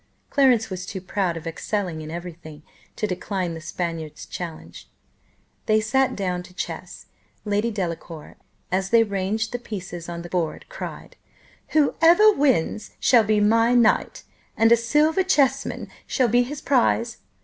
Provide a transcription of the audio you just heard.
Clarence was too proud of excelling in every thing to decline the Spaniard's challenge. They sat down to chess. Lady Delacour, as they ranged the pieces on the board, cried, "Whoever wins shall be my knight; and a silver chess man shall be his prize.